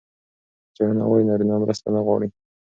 څېړنه وايي نارینه مرسته نه غواړي.